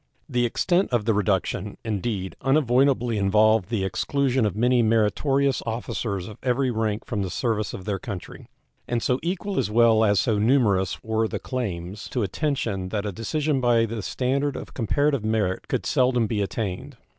The extent of the reduction, indeed, unavoidably involved the exclusion of many meritorious officers of every rank from the service of their country; and so equal as well as so numerous were the claims to attention that a decision by the standard of comparative merit could seldom be attained.